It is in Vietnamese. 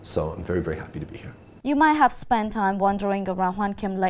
sự đặc biệt và đặc biệt của đất nước này